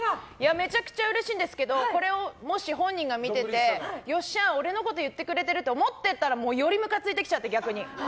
めちゃくちゃうれしいんですけどこれをもし、本人が見ててよっしゃ、俺のこと言ってくれてると思ってたら思ってたらよりむかついてきちゃって逆に。